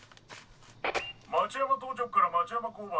町山当直から町山交番。